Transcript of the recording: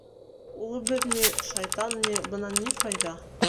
— Улыбыҙ ни, шайтан ни, бынан ни файҙа?